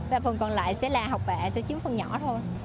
và phần còn lại sẽ là học bạ sẽ chiếm phần nhỏ thôi